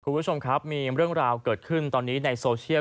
คุณผู้ชมครับมีเรื่องราวเกิดขึ้นตอนนี้ในโซเชียล